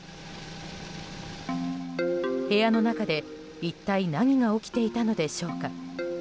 部屋の中で一体何が起きていたのでしょうか。